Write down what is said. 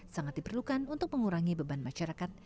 sangat diperlukan untuk mengurangi beban masyarakat